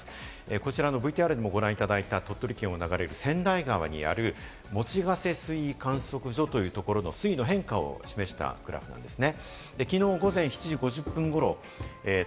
こちらのＶＴＲにもご覧いただいた、鳥取県を流れる千代川にある、用瀬水位観測所というところの水の観測を示したグラフなんですね。